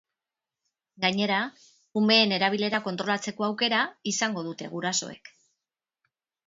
Gainera, umeen erabilera kontrolatzeko aukera izango dute gurasoek.